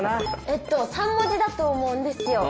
えっと３文字だと思うんですよ。